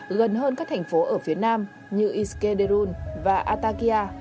gần hơn các thành phố ở phía nam như iskenderun và atakia